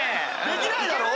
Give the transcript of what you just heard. できないだろ？